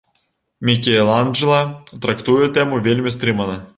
Мікеланджэла трактуе тэму вельмі стрымана.